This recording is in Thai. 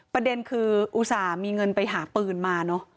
ประเด็นคืออุตส่าห์มีเงินไปหาปืนมาเนอะ